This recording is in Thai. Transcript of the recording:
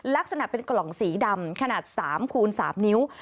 ลักษณะเป็นกล่องสีดำขนาด๓คูณ๓นิ้ว